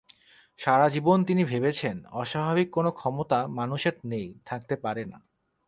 সারা জীবন তিনি ভেবেছেন, অস্বাভাবিক কোনো ক্ষমতা মানুষের নেই, থাকতে পারে না।